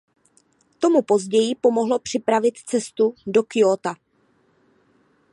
To mu později pomohlo připravit cestu do Kjóta.